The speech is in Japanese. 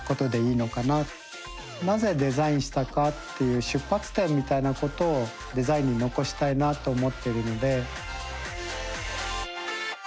なぜデザインしたかっていう出発点みたいなことをデザインに残したいなと思っているので。